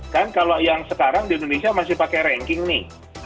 kan kalau yang sekarang di indonesia masih pakai ranking nih